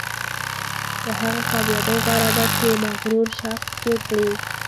له هغه کامیابۍ غوره ده چې مغرور شخص جوړ کړي.